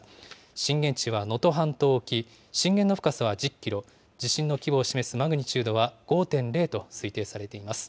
震源地は能登半島沖、震源の深さは１０キロ、地震の規模を示すマグニチュードは５．０と推定されています。